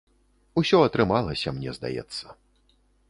Усё атрымалася, мне здаецца.